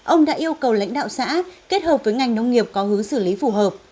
ông đã yêu cầu lãnh đạo xã kết hợp với ngành nông nghiệp có hướng xử lý phù hợp